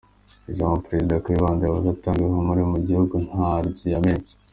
– Ijambo Prezida Kayibanda yavuze atanga ihumure mu gihugu ntaryo yamenye ?